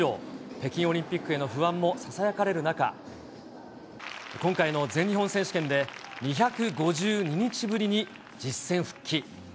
北京オリンピックへの不安もささやかれる中、今回の全日本選手権で、２５２日ぶりに実戦復帰。